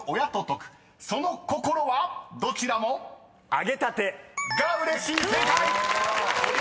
「あげたて」［「が嬉しい」正解！］